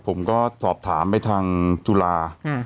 ผมก็สอบถามไปทางจุฬา